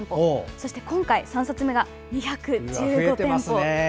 そして今回３冊目が２１５店舗。